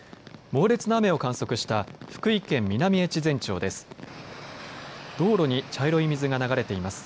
猛烈な雨を観測した福井県南越前町です。